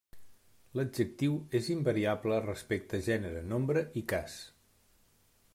L'adjectiu és invariable respecte a gènere, nombre i cas.